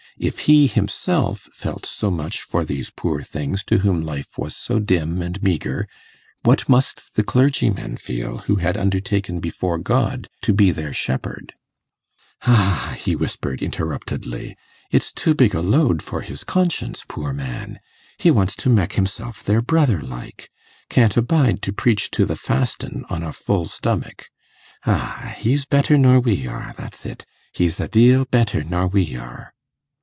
If he himself felt so much for these poor things to whom life was so dim and meagre, what must the clergyman feel who had undertaken before God to be their shepherd? 'Ah!' he whispered, interruptedly, 'it's too big a load for his conscience, poor man! He wants to mek himself their brother, like; can't abide to preach to the fastin' on a full stomach. Ah! he's better nor we are, that's it he's a deal better nor we are.